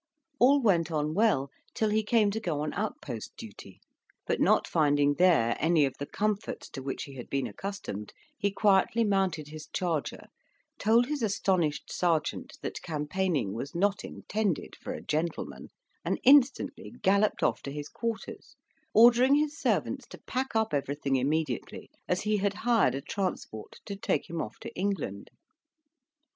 All went on well, till he came to go on outpost duty; but not finding there any of the comforts to which he had been accustomed, he quietly mounted his charger, told his astonished sergeant that campaigning was not intended for a gentleman, and instantly galloped off to his quarters, ordering his servants to pack up everything immediately, as he had hired a transport to take him off to England.